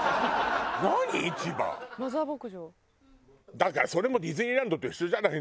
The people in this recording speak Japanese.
だからそれもディズニーランドと一緒じゃないのよ。